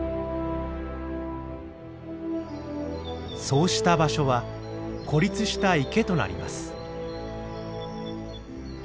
そうした場所は孤立した池となります。